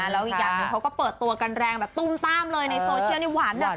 แล้วอีกอย่างหนึ่งเขาก็เปิดตัวกันแรงแบบตุ้มต้ามเลยในโซเชียลนี่หวานแบบ